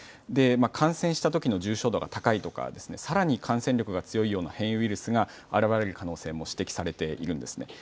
感染したときの重症度が高いとかさらに感染力が強いような変異ウイルスが現れる可能性も指摘されているんですね。